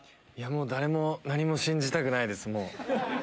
誰も何も信じたくないですもう。